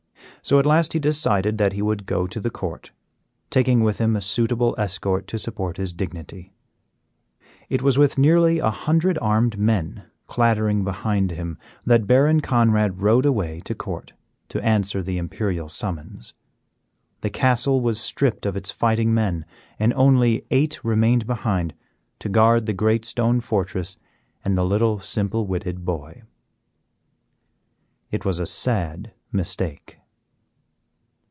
So at last he decided that he would go to the court, taking with him a suitable escort to support his dignity. It was with nearly a hundred armed men clattering behind him that Baron Conrad rode away to court to answer the imperial summons. The castle was stripped of its fighting men, and only eight remained behind to guard the great stone fortress and the little simple witted boy. It was a sad mistake.